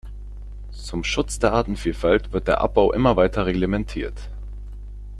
Zum Schutz der Artenvielfalt wird der Abbau immer weiter reglementiert.